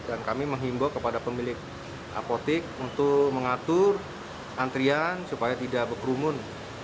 dan kami menghimbau kepada pemilik apotek untuk mengatur antrian supaya tidak berkerumun